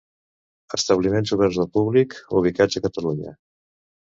Establiments oberts al públic ubicats a Catalunya.